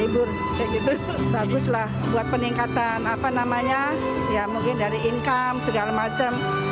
libur kayak gitu bagus lah buat peningkatan apa namanya ya mungkin dari income segala macam